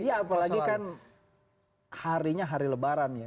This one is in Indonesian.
apalagi kan harinya hari lebaran ya